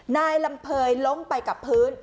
นายลำเภยล้มไปกับพื้น